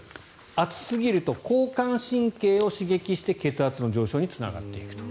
熱すぎると交感神経を刺激して血圧の上昇につながっていくと。